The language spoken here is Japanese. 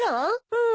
うん。